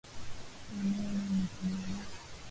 Kamera ni kamera.